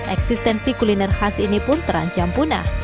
eksistensi kuliner khas ini pun terancam punah